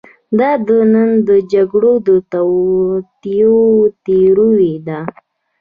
دا د نن د جګړو د توطیو تیوري ده.